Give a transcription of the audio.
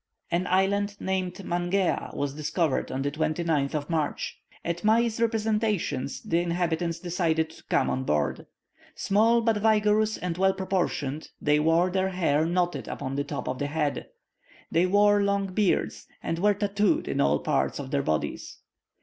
An island named Mangea was discovered on the 29th of March. At Mai's representations the inhabitants decided to come on board. Small, but vigorous and well proportioned, they wore their hair knotted upon the top of the head. They wore long beards, and were tatooed in all parts of their bodies.